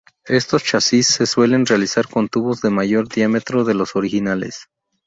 Estos chasis se suelen realizar con tubos de mayor diámetro de los originales.